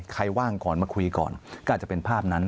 ว่างก่อนมาคุยก่อนก็อาจจะเป็นภาพนั้น